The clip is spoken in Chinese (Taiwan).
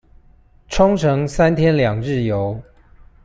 沖繩三天兩日遊